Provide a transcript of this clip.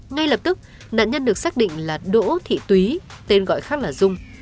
ngay lập tức nạn nhân được xác định là đỗ thị túy tên gọi khác là dung